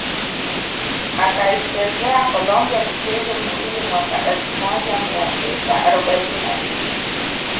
Akaichezea Colombia michezo miwili mwaka elfu moja mia tisa arobaini na tisa